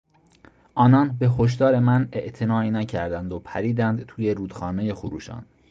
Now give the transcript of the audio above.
آنان به هشدار مناعتنایی نکردند و پریدند توی رودخانهی خروشان.